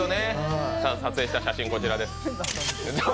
撮影した写真がこちらです。